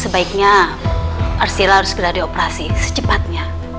sebaiknya arsila harus segera dioperasi secepatnya